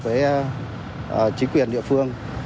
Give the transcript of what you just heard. với chính quyền địa phương